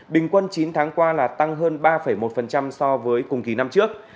bình quân chín tháng qua là tăng hơn ba một so với cùng kỳ năm trước